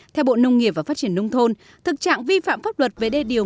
theo bộ nông nghiệp và phát triển nông thôn thực trạng vi phạm pháp luật về đê điều